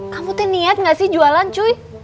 kamu teh niat gak sih jualan cuy